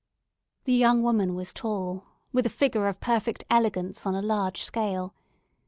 The young woman was tall, with a figure of perfect elegance on a large scale.